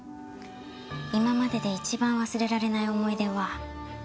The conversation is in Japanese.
今までで一番忘れられない思い出は。